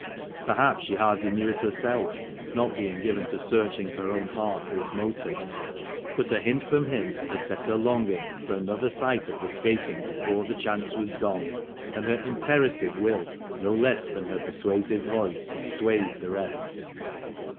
Perhaps she hardly knew it herself, not being given to searching her own heart for its motives. But a hint from him had set her longing for "another sight of the skating before the chance was gone," and her imperative will no less than her persuasive voice had swayed the rest.